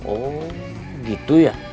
oh gitu ya